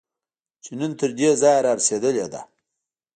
چې نن تر دې ځایه رارسېدلې ده